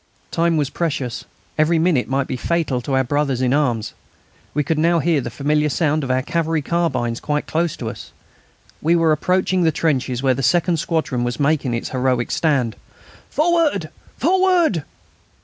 Time was precious. Every minute might be fatal to our brothers in arms. We could now hear the familiar sound of our cavalry carbines quite close to us. We were approaching the trenches where the second squadron was making its heroic stand. "Forward! Forward!"